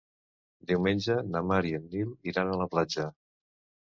Diumenge na Mar i en Nil iran a la platja.